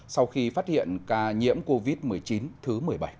sau khi phát hiện ca nhiễm covid một mươi chín thứ một mươi bảy